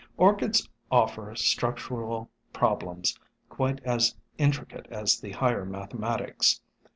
Orchids offer structural problems quite as intri cate as the higher mathematics.